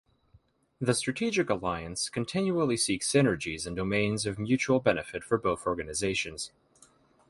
The strategic alliance continually seeks synergies and domains of mutual benefit for both organisations.